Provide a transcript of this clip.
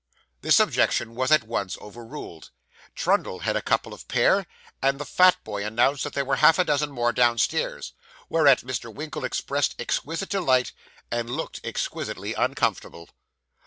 This objection was at once overruled. Trundle had a couple of pair, and the fat boy announced that there were half a dozen more downstairs; whereat Mr. Winkle expressed exquisite delight, and looked exquisitely uncomfortable.